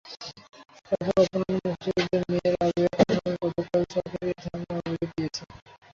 এরপরও অপহৃত মুক্তিযোদ্ধার মেয়ে রাবেয়া খানম গতকাল চকরিয়া থানায় অভিযোগ দিয়েছেন।